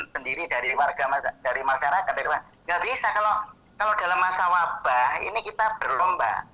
pendiri dari masyarakat tidak bisa kalau dalam masa wabah ini kita berlomba